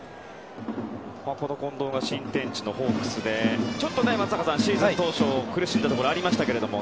近藤が新天地のホークスでちょっと松坂さん、シーズン当初苦しんだところありましたが。